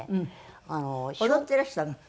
踊ってらしたの？